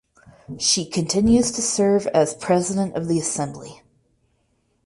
She continues to serve as president of the assembly.